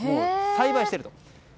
栽培していると。